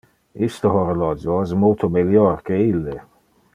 Iste horologio es multo melior que ille.